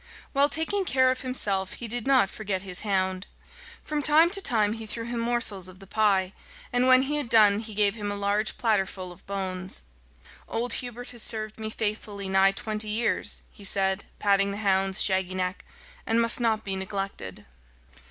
While taking care of himself, he did not forget his hound. From time to time he threw him morsels of the pie, and when he had done he gave him a large platterful of bones. "Old Hubert has served me faithfully nigh twenty years," he said, patting the hound's shaggy neck, "and must not be neglected."